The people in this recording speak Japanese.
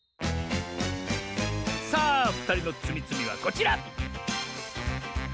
さあふたりのつみつみはこちら！